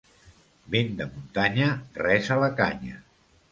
Vent de muntanya, res a la canya.